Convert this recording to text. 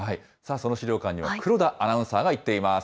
その資料館には、黒田アナウンサーが行っています。